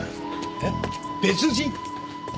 えっ別人？